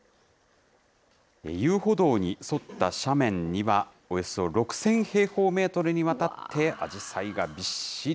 遊歩道に沿った斜面には、およそ６０００平方メートルにわたってアジサイがびっしり。